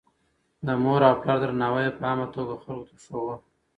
د مور او پلار درناوی يې په عامه توګه خلکو ته ښووه.